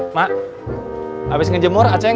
iya tapi jangan lupa embernya taruh dalam ya